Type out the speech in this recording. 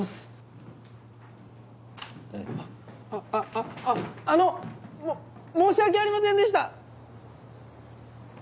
あああの！も申し訳ありませんでした！